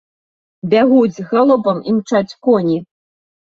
Бягуць, галопам імчаць коні.